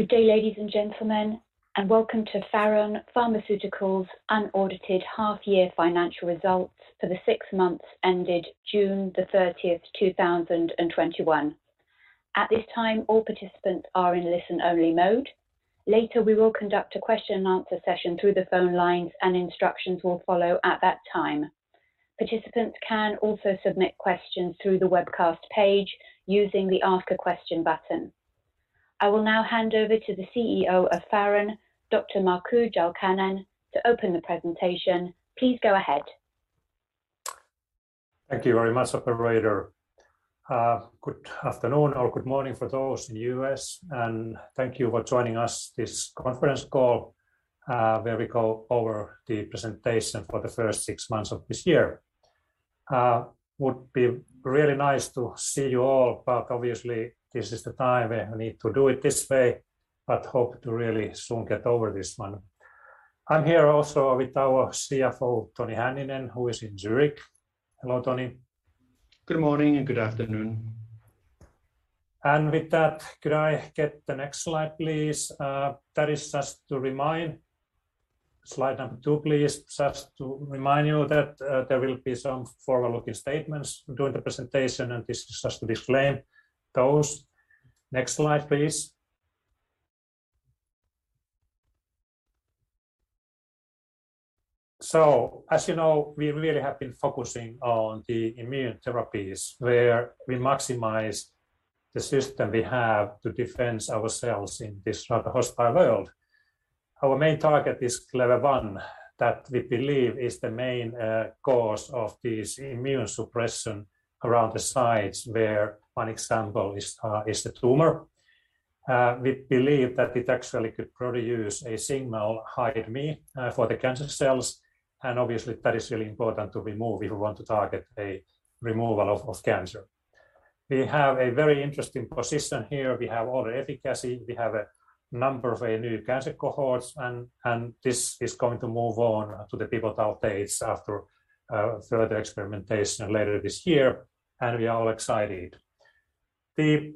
Good day, ladies and gentlemen, and welcome to Faron Pharmaceuticals' unaudited Half-Year Financial Results for the six months ended June the 30th, 2021. At this time, all participants are in listen-only mode. Later, we will conduct a question-and-answer session through the phone lines, and instructions will follow at that time. Participants can also submit questions through the webcast page using the Ask a Question button. I will now hand over to the CEO of Faron, Dr. Markku Jalkanen, to open the presentation. Please go ahead. Thank you very much, operator. Good afternoon or good morning for those in the U.S., and thank you for joining us this conference call, where we go over the presentation for the first six months of this year. Would be really nice to see you all, but obviously, this is the time where we need to do it this way, but hope to really soon get over this one. I am here also with our CFO, Toni Hänninen, who is in Zurich. Hello, Toni. Good morning and good afternoon. With that, could I get the next slide, please? Slide number two, please. Just to remind you that there will be some forward-looking statements during the presentation, and this is just to disclaim those. Next slide, please. As you know, we really have been focusing on the immune therapies, where we maximize the system we have to defend ourselves in this rather hostile world. Our main target is Clever-1, that we believe is the main cause of this immune suppression around the sites where one example is the tumor. We believe that it actually could produce a signal, "hide me," for the cancer cells, and obviously, that is really important to remove if we want to target a removal of cancer. We have a very interesting position here. We have all the efficacy. We have a number of new cancer cohorts, and this is going to move on to the pivotal phase after further experimentation later this year, and we are all excited. The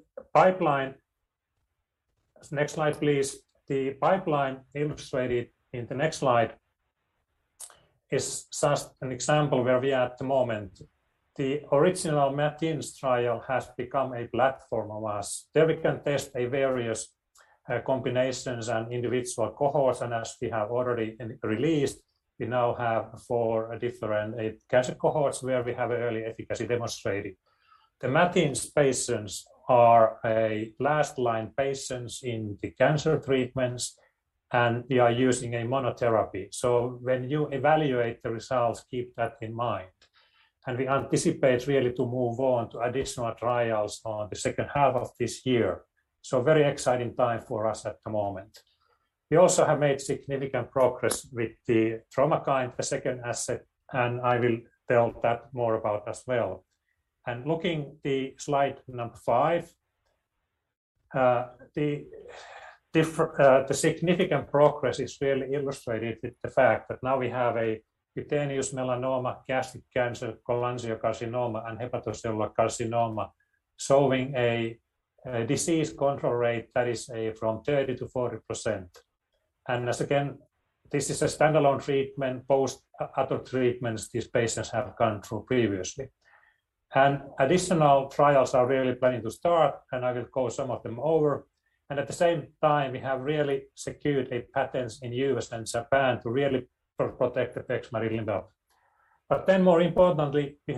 next slide, please. The pipeline illustrated in the next slide is just an example where we are at the moment. The original MATINS trial has become a platform of ours. There we can test various combinations and individual cohorts, and as we have already released, we now have four different cancer cohorts where we have early efficacy demonstrated. The MATINS patients are last-line patients in the cancer treatments, and we are using a monotherapy. When you evaluate the results, keep that in mind. We anticipate really to move on to additional trials on the second half of this year, so very exciting time for us at the moment. We also have made significant progress with Traumakine, the second asset. I will tell that more about as well. Looking the slide number five, the significant progress is really illustrated with the fact that now we have a cutaneous melanoma, gastric cancer, cholangiocarcinoma, and hepatocellular carcinoma showing a disease control rate that is from 30%-40%. As again, this is a standalone treatment post other treatments these patients have gone through previously. Additional trials are really planning to start, and I will go some of them over. At the same time, we have really secured patents in U.S. and Japan to really protect bexmarilimab. More importantly, we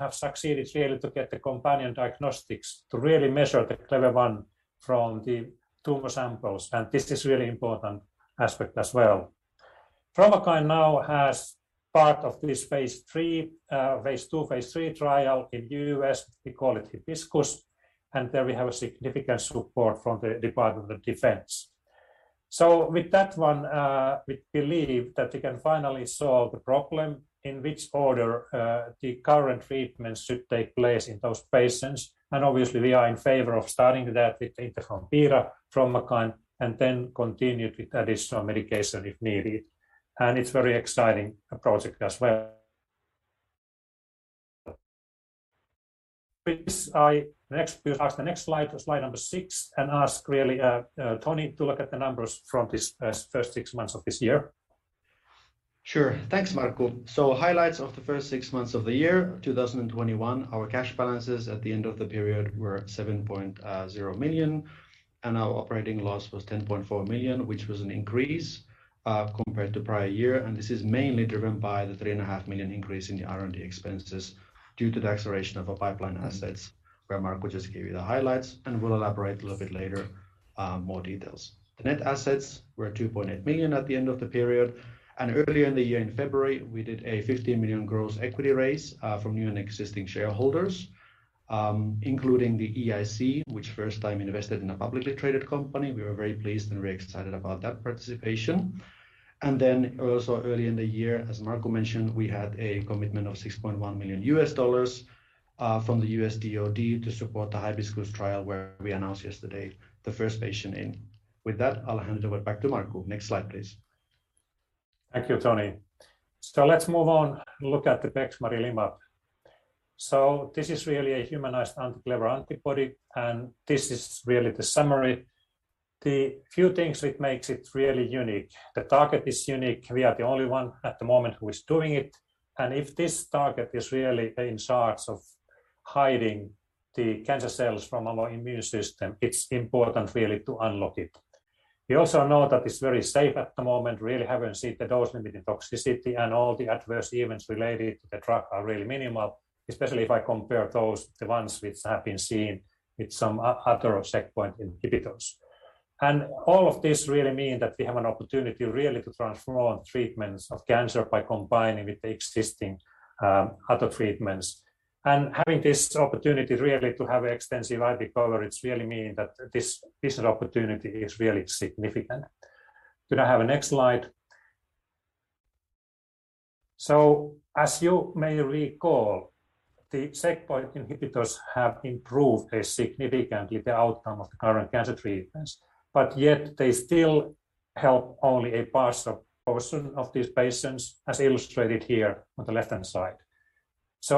have succeeded really to get the companion diagnostics to really measure Clever-1 from the tumor samples, and this is really important aspect as well. Traumakine now has part of this phase II, phase III trial in the U.S. We call it HIBISCUS. There we have a significant support from the Department of Defense. With that one, we believe that we can finally solve the problem in which order the current treatments should take place in those patients. Obviously, we are in favor of starting that with interferon beta, Traumakine, and then continue with additional medication if needed. It's very exciting project as well. Please ask the next slide number six, and ask really Toni to look at the numbers from this first six months of this year. Sure. Thanks, Markku. Highlights of the first six months of the year, 2021. Our cash balances at the end of the period were 7.0 million, and our operating loss was 10.4 million, which was an increase compared to prior year. This is mainly driven by the 3.5 million increase in the R&D expenses due to the acceleration of our pipeline assets, where Markku just gave you the highlights, and will elaborate a little bit later more details. The net assets were 2.8 million at the end of the period. Earlier in the year, in February, we did a 15 million gross equity raise from new and existing shareholders, including the EIC, which first time invested in a publicly traded company. We were very pleased and very excited about that participation. Also early in the year, as Markku mentioned, we had a commitment of $6.1 million from the U.S. DoD to support the HIBISCUS trial, where we announced yesterday the first patient in. With that, I'll hand over back to Markku. Next slide, please. Thank you, Toni. Let's move on and look at the bexmarilimab. This is really a humanized anti-Clever-1 antibody, and this is really the summary. The few things which makes it really unique. The target is unique. We are the only one at the moment who is doing it, and if this target is really in charge of hiding the cancer cells from our immune system, it's important really to unlock it. We also know that it's very safe at the moment, really haven't seen the dose-limiting toxicity and all the adverse events related to the drug are really minimal, especially if I compare those, the ones which have been seen with some other checkpoint inhibitors. All of this really mean that we have an opportunity really to transform treatments of cancer by combining with the existing, other treatments. Having this opportunity really to have extensive IP coverage really mean that this opportunity is really significant. Could I have a next slide? As you may recall, the checkpoint inhibitors have improved significantly the outcome of the current cancer treatments, but yet they still help only a portion of these patients, as illustrated here on the left-hand side.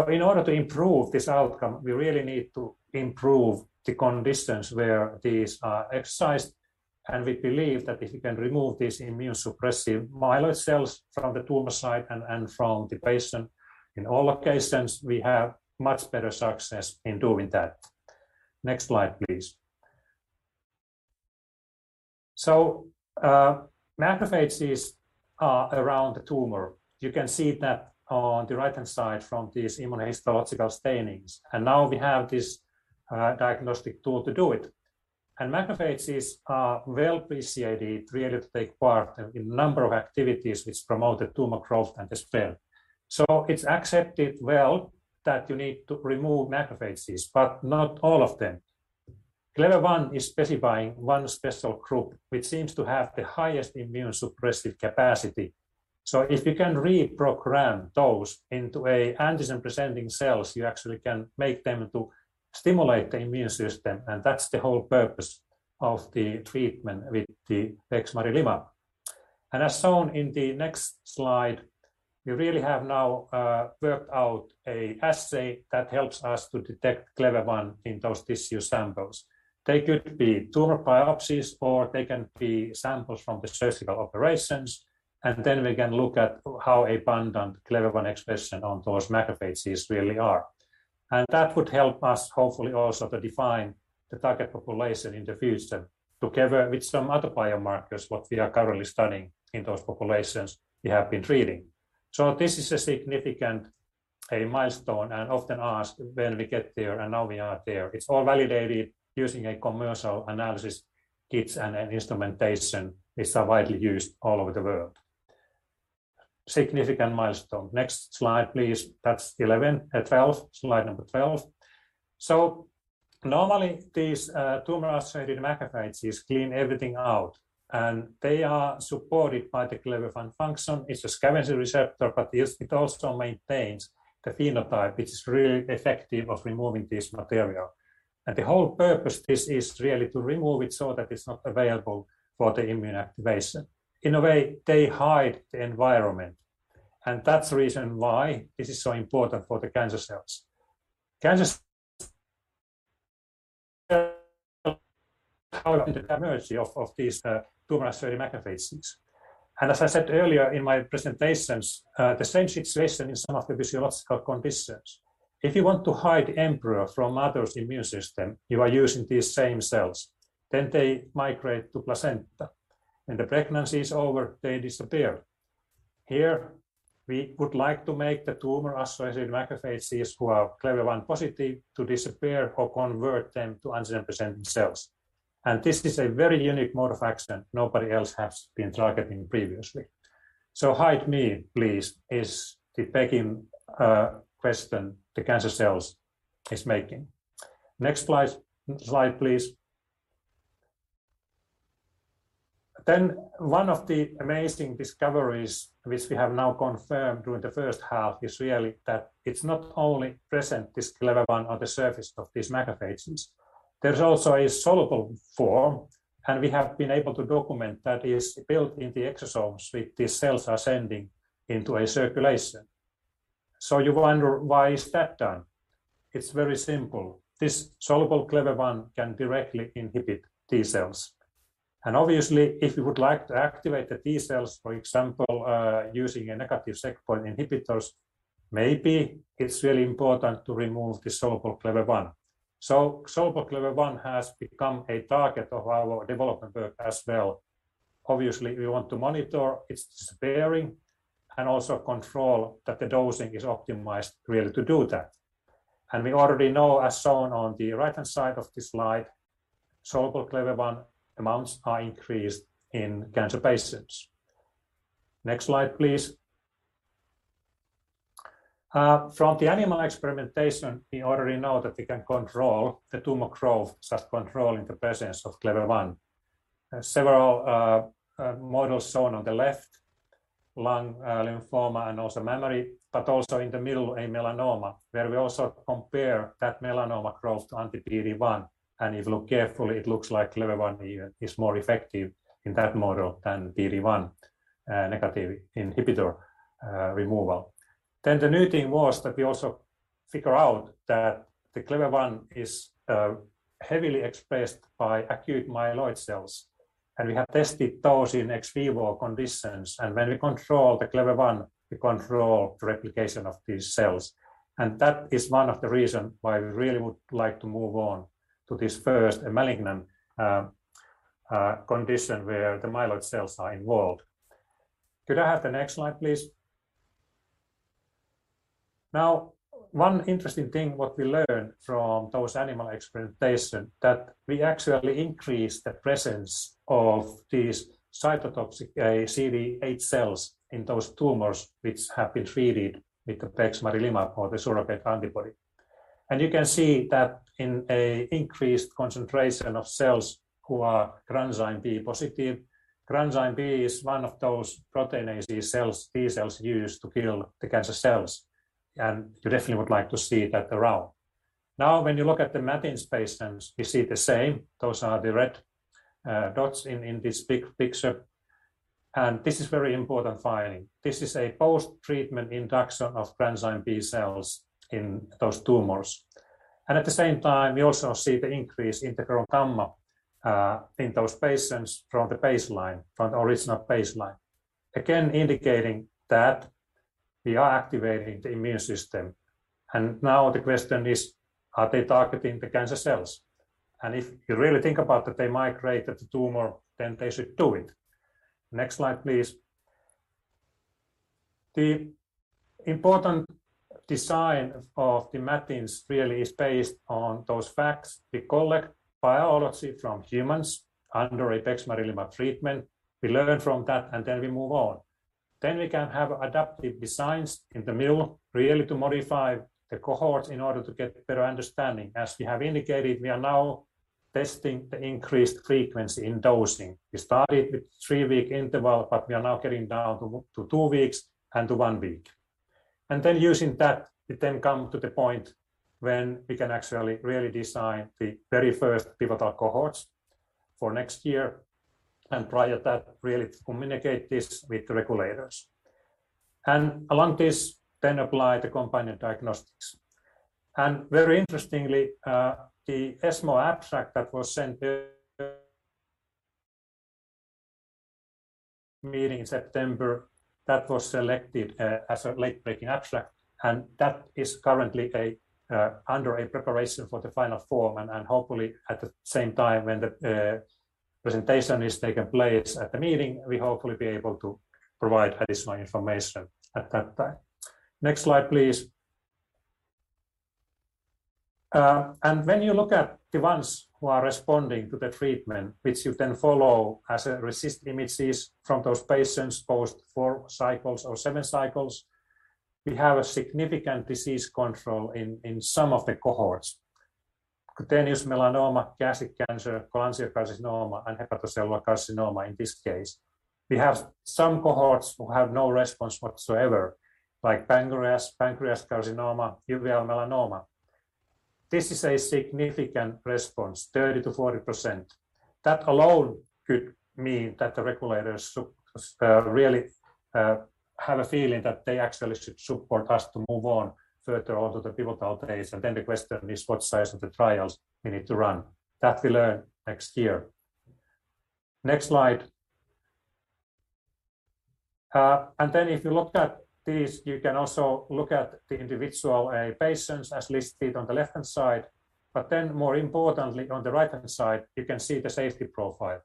In order to improve this outcome, we really need to improve the conditions where these are excised, and we believe that if we can remove these immune suppressive myeloid cells from the tumor site and from the patient, in all occasions, we have much better success in doing that. Next slide, please. Macrophages are around the tumor. You can see that on the right-hand side from these immunohistological stainings. Now we have this diagnostic tool to do it. Macrophages are well preciated to take part in a number of activities which promote the tumor growth and spread. It's accepted well that you need to remove macrophages, but not all of them. Clever-1 is specifying one special group, which seems to have the highest immune suppressive capacity. If you can reprogram those into an antigen-presenting cells, you actually can make them to stimulate the immune system, and that's the whole purpose of the treatment with the bexmarilimab. As shown in the next slide, we really have now worked out a assay that helps us to detect Clever-1 in those tissue samples. They could be tumor biopsies, or they can be samples from the surgical operations, and then we can look at how abundant Clever-1 expression on those macrophages really are. That would help us hopefully also to define the target population in the future, together with some other biomarkers, what we are currently studying in those populations we have been treating. This is a significant milestone and often asked when we get there and now we are there. It's all validated using a commercial analysis kits and an instrumentation which are widely used all over the world. Significant milestone. Next slide, please. That's 11 and 12. Slide number 12. Normally, these tumor-associated macrophages clean everything out, and they are supported by the Clever-1 function. It's a scavenger receptor, but it also maintains the phenotype, which is really effective of removing this material. The whole purpose is really to remove it so that it's not available for the immune activation. In a way, they hide the environment. That's the reason why this is so important for the cancer cells. Cancer cells of these tumor-associated macrophages. As I said earlier in my presentations, the same situation in some of the physiological conditions. If you want to hide embryo from mother's immune system, you are using these same cells. They migrate to placenta. When the pregnancy is over, they disappear. Here, we would like to make the tumor-associated macrophages who are Clever-1 positive to disappear or convert them to antigen-presenting cells. This is a very unique mode of action nobody else has been targeting previously. "Hide me, please," is the begging question the cancer cells is making. Next slide, please. One of the amazing discoveries which we have now confirmed during the first half is really that it's not only present, this Clever-1, on the surface of these macrophages. There's also a soluble form, and we have been able to document that is built in the exosomes which these cells are sending into a circulation. You wonder why is that done? It's very simple. This soluble Clever-1 can directly inhibit T cells. Obviously, if you would like to activate the T cells, for example, using a negative checkpoint inhibitors, maybe it's really important to remove the soluble Clever-1. Soluble Clever-1 has become a target of our development work as well. Obviously, we want to monitor its bearing and also control that the dosing is optimized really to do that. We already know, as shown on the right-hand side of this slide, soluble Clever-1 amounts are increased in cancer patients. Next slide, please. From the animal experimentation, we already know that we can control the tumor growth, start controlling the presence of Clever-1. Several models shown on the left, lung lymphoma and also mammary, but also in the middle, a melanoma, where we also compare that melanoma growth to anti PD-1. If you look carefully, it looks like Clever-1 is more effective in that model than PD-1 negative inhibitor removal. The new thing was that we also figure out that the Clever-1 is heavily expressed by acute myeloid cells, and we have tested those in ex vivo conditions. When we control the Clever-1, we control the replication of these cells. That is one of the reason why we really would like to move on to this first malignant condition where the myeloid cells are involved. Could I have the next slide, please? One interesting thing what we learned from those animal experimentation, that we actually increase the presence of these cytotoxic CD8 cells in those tumors which have been treated with the bexmarilimab or the surrogate antibody. You can see that in a increased concentration of cells who are granzyme B positive. Granzyme B is one of those proteinase T cells used to kill the cancer cells. You definitely would like to see that around. When you look at the MATINS patients, you see the same. Those are the red dots in this picture. This is very important finding. This is a post-treatment induction of granzyme B cells in those tumors. At the same time, we also see the increase in the gamma in those patients from the baseline, from the original baseline. Again, indicating that we are activating the immune system. Now the question is, are they targeting the cancer cells? If you really think about that they migrate at the tumor, then they should do it. Next slide, please. The important design of the MATINS really is based on those facts. We collect biology from humans under a bexmarilimab treatment. We learn from that, and then we move on. We can have adaptive designs in the middle, really to modify the cohort in order to get better understanding. As we have indicated, we are now testing the increased frequency in dosing. We started with three-week interval, but we are now getting down to two weeks and to one week. Using that, it then come to the point when we can actually really design the very first pivotal cohorts for next year. Prior to that, really communicate this with the regulators. Along this, then apply the companion diagnostics. Very interestingly, the ESMO abstract that was sent to meeting in September, that was selected as a late-breaking abstract, and that is currently under a preparation for the final form. Hopefully, at the same time when the presentation is taken place at the meeting, we hopefully be able to provide additional information at that time. Next slide, please. When you look at the ones who are responding to the treatment, which you then follow as a RECIST images from those patients, post four cycles or seven cycles, we have a significant disease control in some of the cohorts. Cutaneous melanoma, gastric cancer, cholangiocarcinoma, and hepatocellular carcinoma, in this case. We have some cohorts who have no response whatsoever, like pancreatic carcinoma, uveal melanoma. This is a significant response, 30%-40%. That alone could mean that the regulators really have a feeling that they actually should support us to move on further on to the pivotal phase. The question is, what size of the trials we need to run? That we learn next year. Next slide. If you look at this, you can also look at the individual patients as listed on the left-hand side. More importantly, on the right-hand side, you can see the safety profile.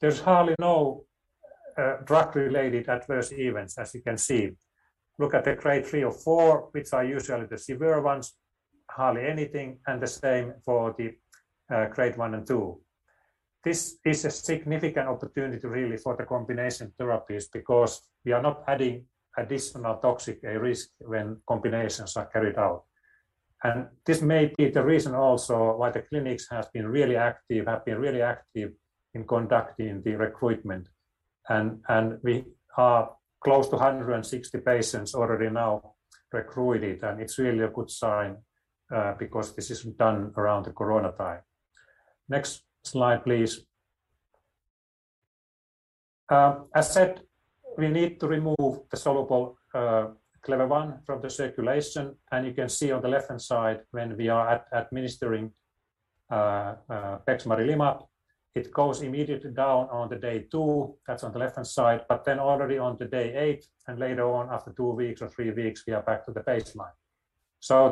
There's hardly no drug related adverse events, as you can see. Look at the grade three or four, which are usually the severe ones, hardly anything, and the same for the grade one and two. This is a significant opportunity, really, for the combination therapies because we are not adding additional toxic risk when combinations are carried out. This may be the reason also why the clinics have been really active in conducting the recruitment. We are close to 160 patients already now recruited. It's really a good sign, because this is done around the corona time. Next slide, please. As said, we need to remove the soluble Clever-1 from the circulation. You can see on the left-hand side, when we are administering bexmarilimab, it goes immediately down on day two. That's on the left-hand side. Already on day eight and later on after two weeks or three weeks, we are back to the baseline.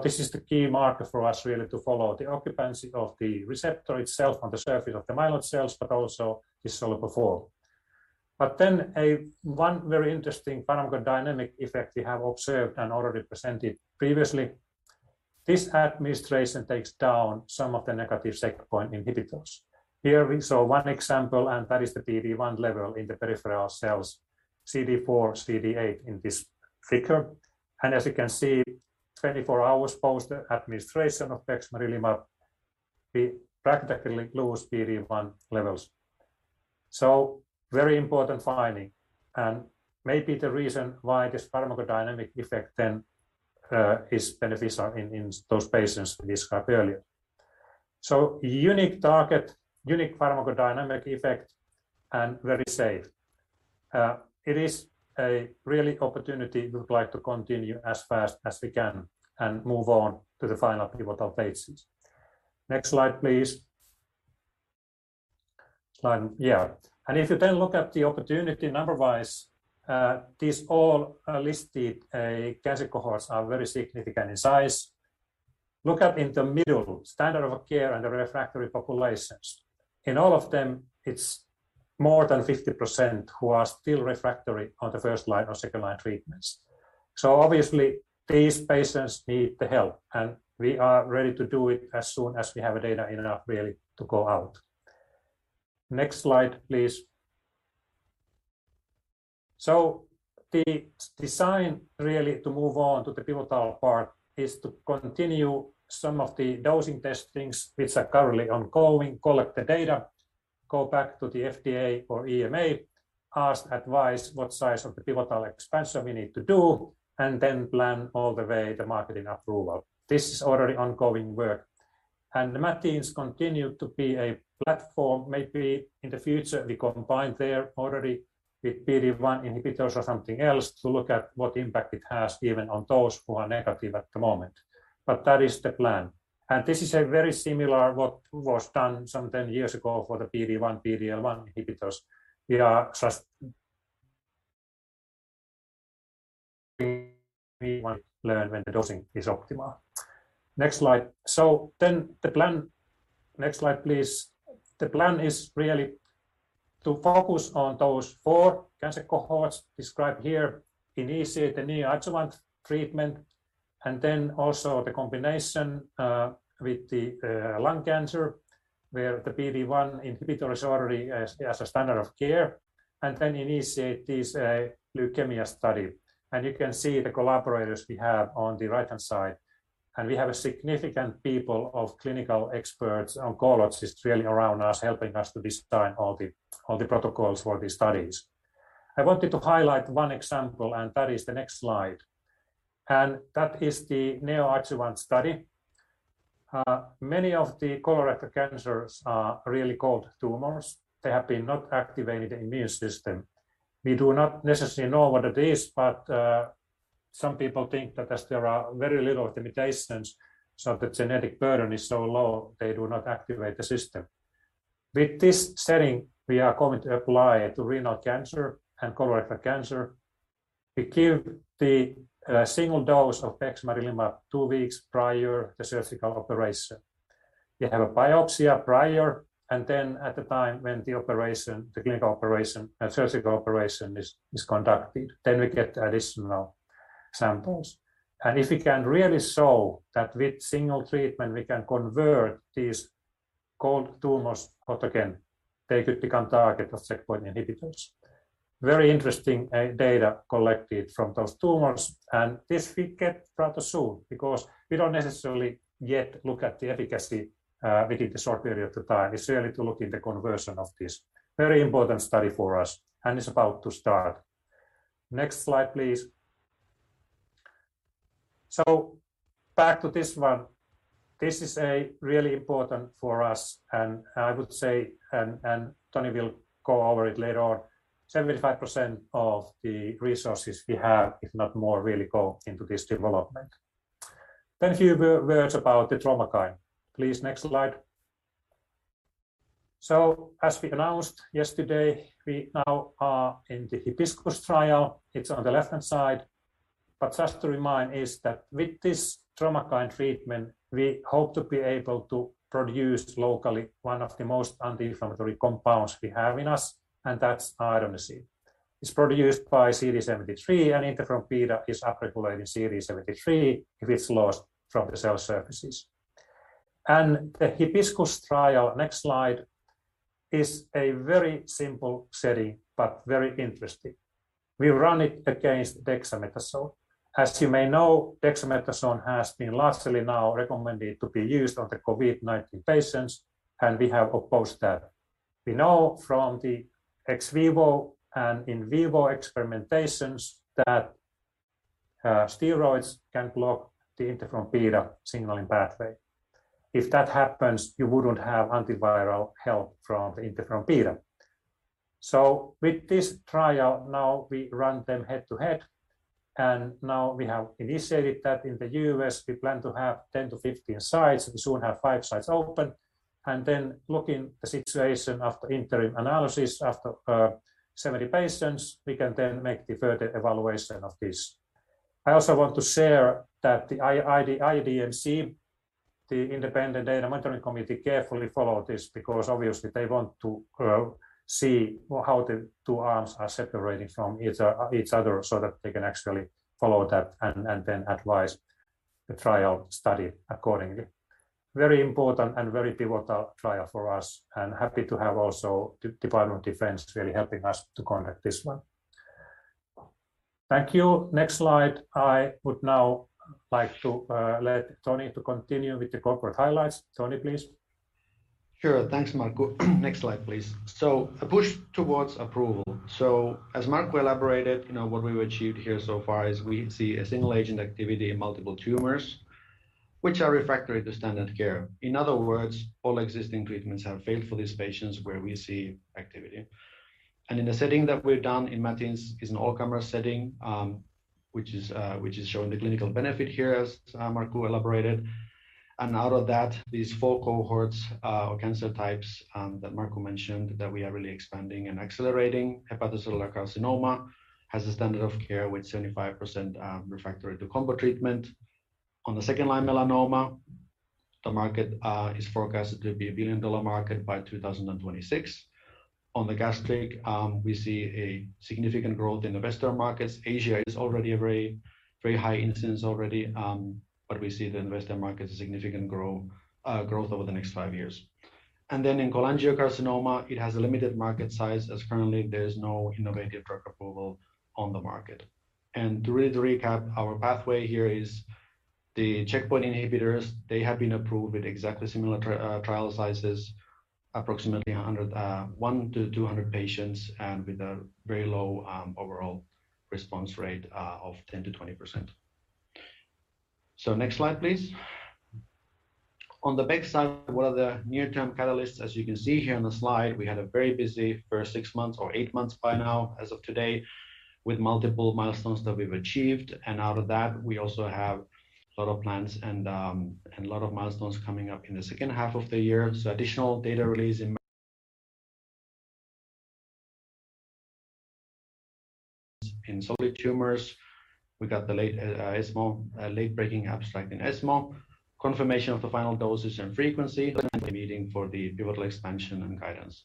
This is the key marker for us really to follow the occupancy of the receptor itself on the surface of the myeloid cells, but also the soluble form. One very interesting pharmacodynamic effect we have observed and already presented previously. This administration takes down some of the negative checkpoint inhibitors. Here we saw one example, and that is the PD-1 level in the peripheral cells, CD4, CD8 in this figure. As you can see, 24 hours post administration of bexmarilimab, we practically lose PD-1 levels. Very important finding and may be the reason why this pharmacodynamic effect then is beneficial in those patients we described earlier. Unique target, unique pharmacodynamic effect, and very safe. It is really an opportunity we would like to continue as fast as we can and move on to the final pivotal phases. Next slide, please. Yeah. If you look at the opportunity number-wise, these all listed cancer cohorts are very significant in size. Look at in the middle, standard of care and the refractory populations. In all of them, it's more than 50% who are still refractory on the first-line or second-line treatments. Obviously these patients need the help, and we are ready to do it as soon as we have data enough really to go out. Next slide, please. The design really to move on to the pivotal part is to continue some of the dosing testings, which are currently ongoing, collect the data, go back to the FDA or EMA, ask advice what size of the pivotal expansion we need to do, plan all the way the marketing approval. This is already ongoing work. The MATINS continue to be a platform. Maybe in the future, we combine there already with PD-1 inhibitors or something else to look at what impact it has even on those who are negative at the moment. That is the plan. This is very similar to what was done some 10 years ago for the PD-1, PD-L1 inhibitors. We want to learn when the dosing is optimal. Next slide. Next slide, please. The plan is really to focus on those four cancer cohorts described here. Initiate the neoadjuvant treatment, and then also the combination with the lung cancer, where the PD-1 inhibitor is already as a standard of care, and then initiate this leukemia study. You can see the collaborators we have on the right-hand side. We have a significant pool of clinical experts, oncologists really around us, helping us to design all the protocols for these studies. I wanted to highlight one example, and that is the next slide. That is the neoadjuvant study. Many of the colorectal cancers are really cold tumors. They have a not activated immune system. We do not necessarily know what that is, but some people think that as there are very little mutations, so the genetic burden is so low, they do not activate the system. With this setting, we are going to apply to renal cancer and colorectal cancer. We give the single dose of bexmarilimab two weeks prior to surgical operation. We have a biopsy prior, and then at the time when the clinical operation and surgical operation is conducted, then we get additional samples. If we can really show that with single treatment we can convert these cold tumors hot again, they could become target of checkpoint inhibitors. Very interesting data collected from those tumors. This we get rather soon because we don't necessarily yet look at the efficacy within the short period of the time. It's really to look in the conversion of this. Very important study for us, and it's about to start. Next slide, please. Back to this one. This is really important for us, and I would say, and Toni will go over it later on, 75% of the resources we have, if not more, really go into this development. A few words about the Traumakine. Please, next slide. As we announced yesterday, we now are in the HIBISCUS trial. It's on the left-hand side. Just to remind is that with this Traumakine treatment, we hope to be able to produce locally one of the most anti-inflammatory compounds we have in us, and that's adenosine. It's produced by CD73 and interferon beta is upregulated in CD73 if it's lost from the cell surfaces. The HIBISCUS trial, next slide, is a very simple setting, but very interesting. We run it against dexamethasone. As you may know, dexamethasone has been largely now recommended to be used on the COVID-19 patients, and we have opposed that. We know from the ex vivo and in vivo experimentations that steroids can block the interferon beta signaling pathway. If that happens, you wouldn't have antiviral help from the interferon beta. With this trial now we run them head-to-head, and now we have initiated that in the U.S. We plan to have 10-15 sites. We soon have five sites open. Looking the situation after interim analysis after 70 patients, we can then make the further evaluation of this. I also want to share that the IDMC, the Independent Data Monitoring Committee, carefully follow this because obviously they want to see how the two arms are separating from each other so that they can actually follow that and then advise the trial study accordingly. Very important and very pivotal trial for us, and happy to have also the Department of Defense really helping us to conduct this one. Thank you. Next slide. I would now like to let Toni to continue with the corporate highlights. Toni, please. Sure. Thanks, Markku. Next slide, please. A push towards approval. As Markku elaborated, what we've achieved here so far is we see a single agent activity in multiple tumors, which are refractory to standard care. In other words, all existing treatments have failed for these patients where we see activity. In the setting that we've done in MATINS is an all-comer setting, which is showing the clinical benefit here as Markku elaborated. Out of that, these four cohorts or cancer types that Markku mentioned that we are really expanding and accelerating. Hepatocellular carcinoma has a standard of care with 75% refractory to combo treatment. On the second line, melanoma, the market is forecasted to be a billion-dollar market by 2026. On the gastric, we see a significant growth in the Western markets. Asia is already a very high incidence, we see the Western markets significant growth over the next five years. In cholangiocarcinoma, it has a limited market size as currently there is no innovative drug approval on the market. To recap, our pathway here is the checkpoint inhibitors. They have been approved with exactly similar trial sizes, approximately 100, 1-200 patients, and with a very low overall response rate of 10%-20%. Next slide, please. On the back side, what are the near-term catalysts? As you can see here on the slide, we had a very busy first six months or eight months by now, as of today, with multiple milestones that we've achieved. Out of that, we also have a lot of plans and a lot of milestones coming up in the second half of the year. Additional data release in solid tumors. We got the late ESMO, late breaking abstract in ESMO, confirmation of the final dosage and frequency, and the meeting for the pivotal expansion and guidance.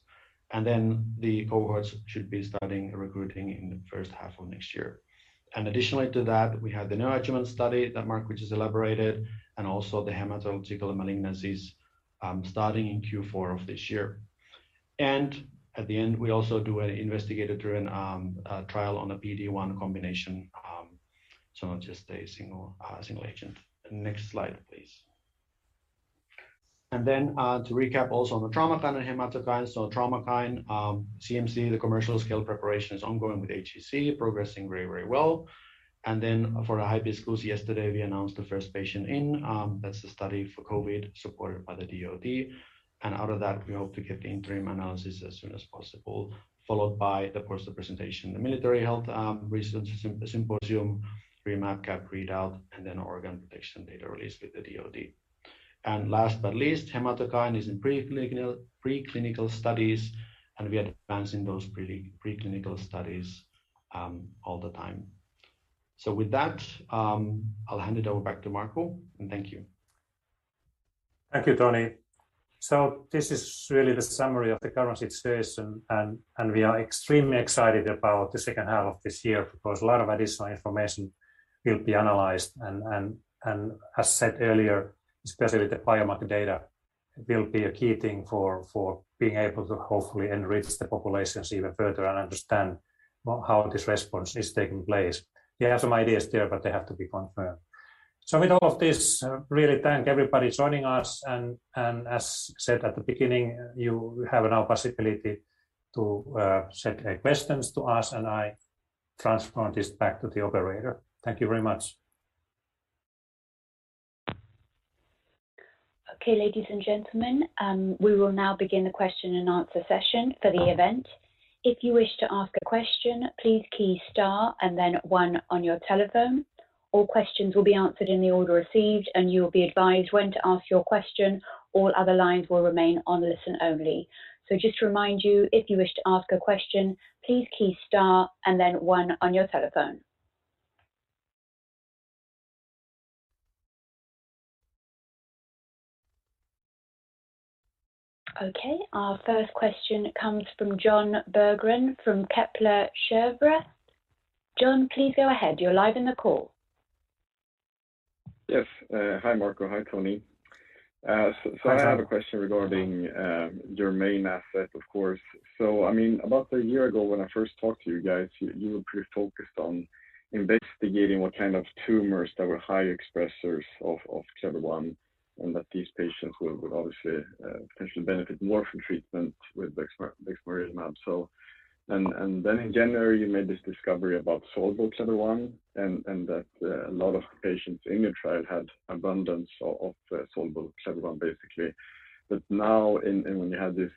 The cohorts should be starting recruiting in the first half of next year. Additionally to that, we have the neoadjuvant study that Markku just elaborated, and also the hematological malignancies, starting in Q4 of this year. At the end, we also do an investigator-driven trial on a PD-1 combination, so not just a single agent. Next slide, please. To recap also on the Traumakine and Hematokine. Traumakine, CMC, the commercial scale preparation is ongoing with AGC, progressing very well. For the HIBISCUS, yesterday, we announced the first patient in, that's the study for COVID supported by the DoD. Out of that, we hope to get the interim analysis as soon as possible, followed by, of course, the presentation in the Military Health System Research Symposium, three map gap readout, and then organ protection data release with the DoD. Last but least, Hematokine is in pre-clinical studies, and we are advancing those pre-clinical studies all the time. With that, I'll hand it over back to Markku, and thank you. Thank you, Toni. This is really the summary of the current situation, and we are extremely excited about the second half of this year because a lot of additional information will be analyzed. As said earlier, especially the biomarker data will be a key thing for being able to hopefully enrich the populations even further and understand how this response is taking place. We have some ideas there, but they have to be confirmed. With all of this, really thank everybody joining us and as said at the beginning, you have now possibility to send questions to us, and I transfer this back to the operator. Thank you very much. Okay, ladies and gentlemen, we will now begin the question-and-answer session for the event. If you wish to ask a question, please key star and then one on your telephone. All questions will be answered in the order received, and you will be advised when to ask your question. All other lines will remain on listen-only. So just to remind you if you wish to ask a question, please key star, and then one on your telephone. Okay. Our first question comes from Jon Berggren from Kepler Cheuvreux. Jon, please go ahead. You're live in the call. Yes. Hi, Markku. Hi, Toni. Hi, Jon. I have a question regarding your main asset, of course. About a year ago when I first talked to you guys, you were pretty focused on investigating what kind of tumors that were high expressers of Clever-1, and that these patients would obviously potentially benefit more from treatment with bexmarilimab. In January, you made this discovery about soluble Clever-1 and that a lot of patients in your trial had abundance of soluble Clever-1, basically. Now, when you had this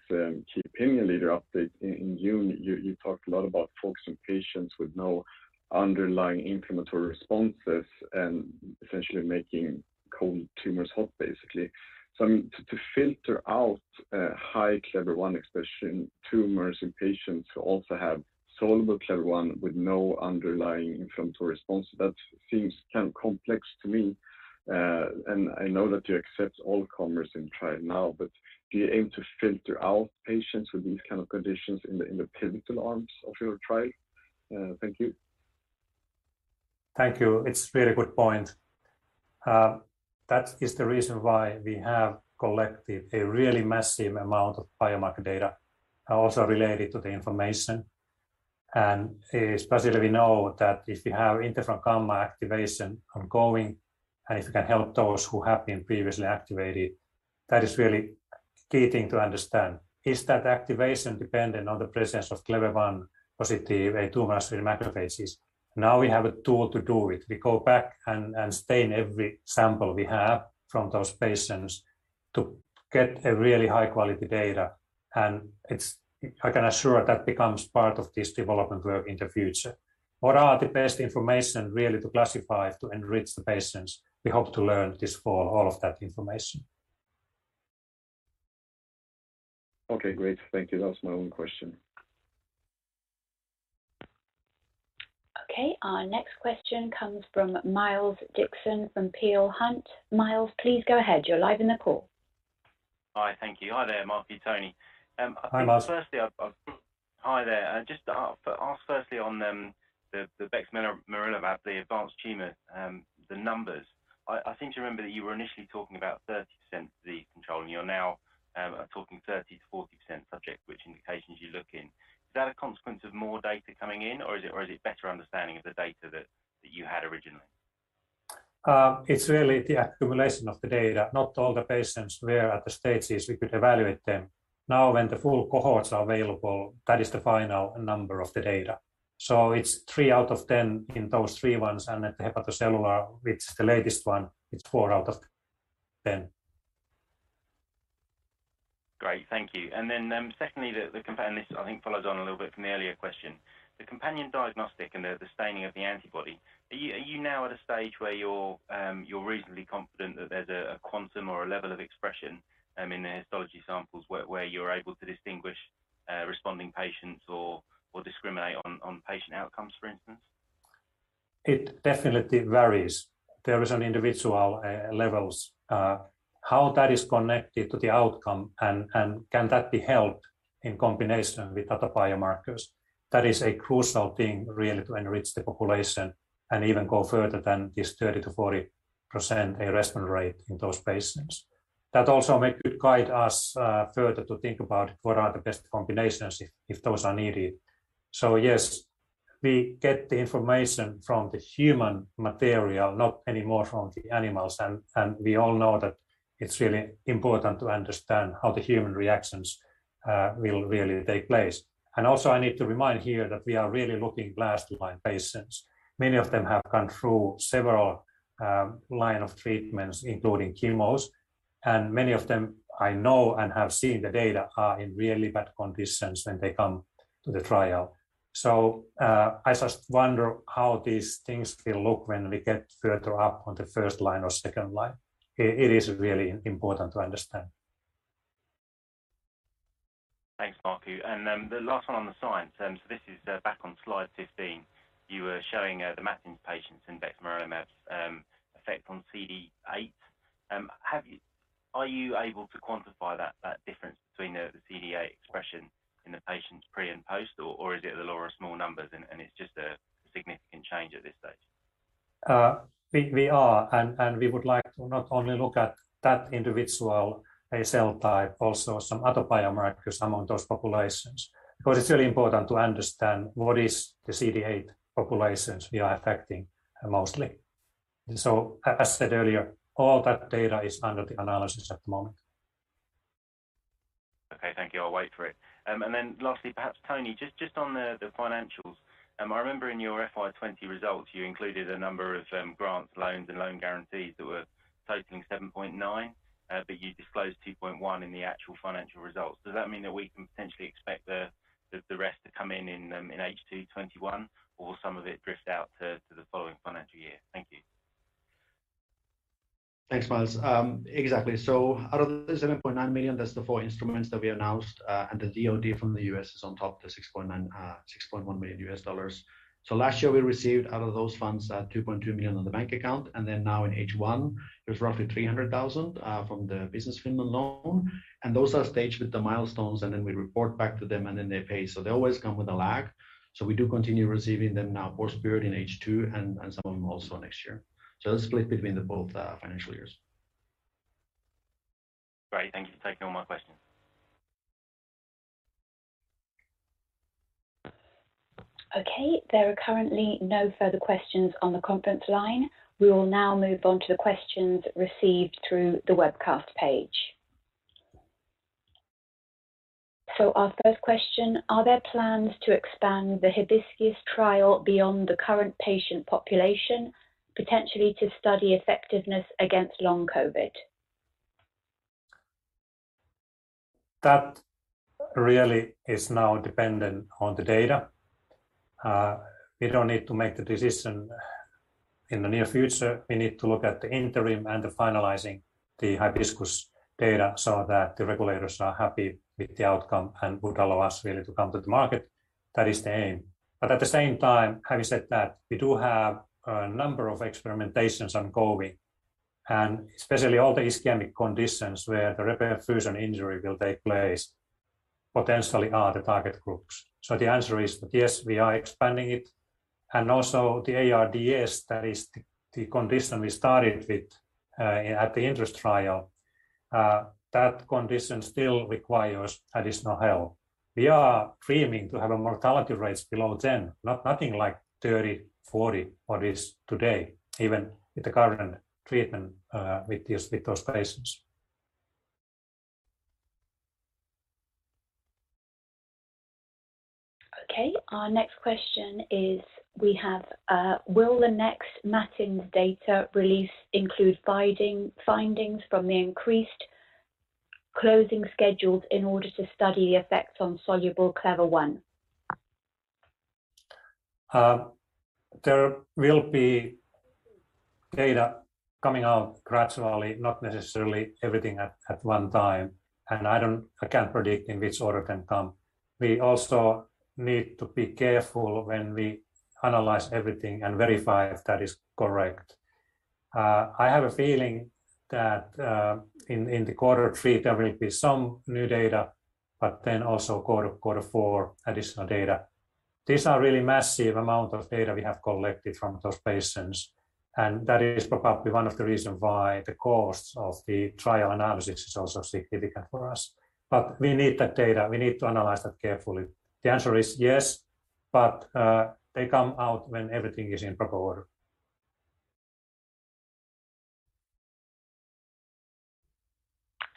key opinion leader update in June, you talked a lot about focusing patients with no underlying inflammatory responses and essentially making cold tumors hot, basically. I mean, to filter out high Clever-1 expression tumors in patients who also have soluble Clever-1 with no underlying inflammatory response, that seems kind of complex to me. I know that you accept all comers in trial now, but do you aim to filter out patients with these kind of conditions in the pivotal arms of your trial? Thank you. Thank you. It's a very good point. That is the reason why we have collected a really massive amount of biomarker data, also related to the information. Especially we know that if we have interferon gamma activation ongoing, and if we can help those who have been previously activated, that is really key thing to understand. Is that activation dependent on the presence of Clever-1 positive M2-type macrophages? Now we have a tool to do it. We go back and stain every sample we have from those patients to get a really high-quality data. I can assure that becomes part of this development work in the future. What are the best information really to classify to enrich the patients? We hope to learn this for all of that information. Okay, great. Thank you. That was my only question. Okay, our next question comes from Miles Dixon from Peel Hunt. Miles, please go ahead. You're live in the call. Hi. Thank you. Hi there, Markku, Toni. Hi, Miles. Firstly, hi there. Just to ask firstly on the bexmarilimab, the advanced tumor, the numbers. I seem to remember that you were initially talking about 30% the control, and you're now talking 30%-40% subject, which indications you look in. Is that a consequence of more data coming in, or is it better understanding of the data that you had originally? It's really the accumulation of the data, not all the patients were at the stages we could evaluate them. Now when the full cohorts are available, that is the final number of the data. It's three out of 10 in those three ones, and at the hepatocellular, which is the latest one, it's four out of 10. Great. Thank you. Secondly, this, I think, follows on a little bit from the earlier question. The companion diagnostic and the staining of the antibody, are you now at a stage where you're reasonably confident that there's a quantum or a level of expression in the histology samples where you're able to distinguish responding patients or discriminate on patient outcomes, for instance? It definitely varies. There is an individual levels. How that is connected to the outcome and can that be helped in combination with other biomarkers, that is a crucial thing really to enrich the population and even go further than this 30%-40% response rate in those patients. That also may could guide us further to think about what are the best combinations if those are needed. Yes, we get the information from the human material, not anymore from the animals. We all know that it's really important to understand how the human reactions will really take place. Also, I need to remind here that we are really looking last line patients. Many of them have gone through several line of treatments, including chemos, and many of them I know and have seen the data are in really bad conditions when they come to the trial. I just wonder how these things will look when we get further up on the first line or second line. It is really important to understand. Thanks, Markku. Then the last one on the science. This is back on slide 15. You were showing the matching patients in bexmarilimab's effect on CD8. Are you able to quantify that difference between the CD8 expression in the patients pre and post, or is it the law of small numbers and it's just a significant change at this stage? We would like to not only look at that individual cell type, also some other biomarkers among those populations. It's really important to understand what is the CD8 populations we are affecting mostly. As I said earlier, all that data is under the analysis at the moment. Okay, thank you. I'll wait for it. Lastly, perhaps, Toni, just on the financials. I remember in your FY 2020 results, you included a number of grants, loans and loan guarantees that were totaling 7.9 million, but you disclosed 2.1 million in the actual financial results. Does that mean that we can potentially expect the rest to come in in H2 2021 or some of it drift out to the following financial year? Thank you. Thanks, Miles. Exactly. Out of the 7.9 million, that's the four instruments that we announced, and the DoD from the U.S. is on top, $6.1 million. Last year we received out of those funds, 2.2 million on the bank account, and now in H1, there's roughly 300,000 from the Business Finland loan. Those are staged with the milestones, and then we report back to them and then they pay. They always come with a lag. We do continue receiving them now, for a period in H2 and some of them also next year. They're split between the both financial years. Great. Thank you for taking all my questions. Okay. There are currently no further questions on the conference line. We will now move on to the questions received through the webcast page. Our first question, are there plans to expand the HIBISCUS trial beyond the current patient population, potentially to study effectiveness against long COVID? That really is now dependent on the data. We don't need to make the decision in the near future. We need to look at the interim and the finalizing the HIBISCUS data so that the regulators are happy with the outcome and would allow us really to come to the market. That is the aim. At the same time, having said that, we do have a number of experimentations ongoing, and especially all the ischemic conditions where the reperfusion injury will take place potentially are the target groups. The answer is that yes, we are expanding it, and also the ARDS, that is the condition we started with at the INTEREST trial. That condition still requires additional help. We are dreaming to have a mortality rate below 10. Nothing like 30%, 40%, what is today, even with the current treatment with those patients. Okay. Our next question is, will the next MATINS data release include findings from the increased dosing schedules in order to study the effects on soluble Clever-1? There will be data coming out gradually, not necessarily everything at one time. I can't predict in which order it can come. We also need to be careful when we analyze everything and verify if that is correct. I have a feeling that in the quarter three, there will be some new data, also quarter four, additional data. These are really massive amount of data we have collected from those patients, that is probably one of the reasons why the cost of the trial analysis is also significant for us. We need that data. We need to analyze that carefully. The answer is yes, they come out when everything is in proper order.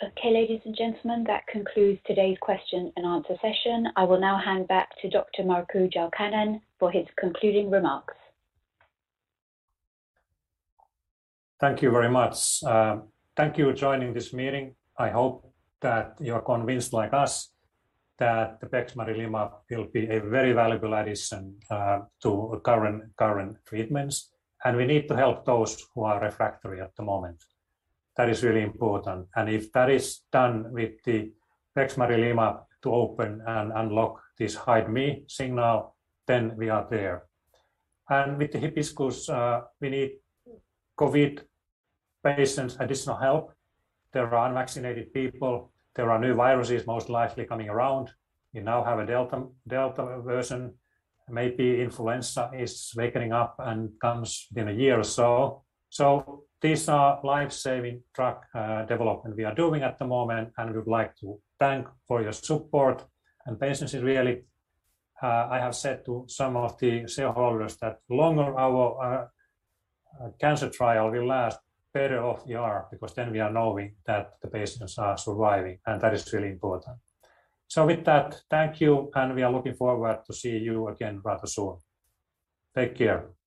Okay, ladies and gentlemen, that concludes today's question-and-answer session. I will now hand back to Dr. Markku Jalkanen for his concluding remarks. Thank you very much. Thank you for joining this meeting. I hope that you are convinced like us that the bexmarilimab will be a very valuable addition to current treatments. We need to help those who are refractory at the moment. That is really important. If that is done with the bexmarilimab to open and unlock this Clever-1, then we are there. With the HIBISCUS trial, we need COVID-19 patients additional help. There are unvaccinated people. There are new viruses most likely coming around. We now have a Delta. Maybe influenza is waking up and comes in a year or so. These are life-saving drug development we are doing at the moment, and we would like to thank for your support and patience really. I have said to some of the shareholders that longer our cancer trial will last, better off we are, because then we are knowing that the patients are surviving. That is really important. With that, thank you, and we are looking forward to see you again rather soon. Take care.